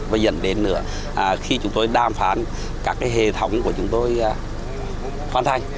và dẫn đến nữa khi chúng tôi đàm phán các hệ thống của chúng tôi hoàn thành